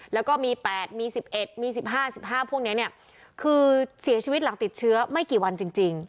แล้วก็มี๘มี๑๑มี๑๕๑๕พวกนี้เนี่ยคือเสียชีวิตหลังติดเชื้อไม่กี่วันจริง